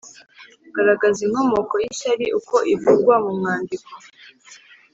Garagaza inkomoko y’ishyari uko ivugwa mu mwandiko.